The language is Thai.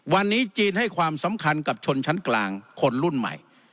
วันนี้จีนให้ความสำคัญกับชนชั้นกลางคนรุ่นใหม่